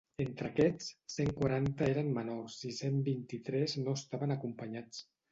Entre aquests, cent quaranta eren menors i cent vint-i-tres no estaven acompanyats.